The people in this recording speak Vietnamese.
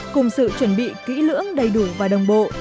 cùng sự chuẩn bị kỹ lưỡng đầy đủ và đồng bộ